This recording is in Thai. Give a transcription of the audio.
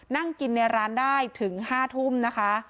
นั่งกินในร้านได้ถึง๕ทุ่มนะคะ